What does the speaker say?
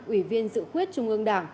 ủy viên dự quyết trung ương đảng